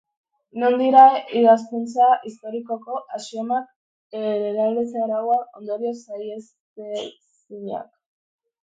Non dira idazkuntza historikoko axiomak, eraldatze-arauak, ondorio saihestezinak?